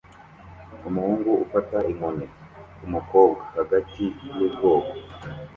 Umuhungu ufata inkoni kumukobwa hagati yubwoko